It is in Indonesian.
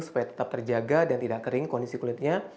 supaya tetap terjaga dan tidak kering kondisi kulitnya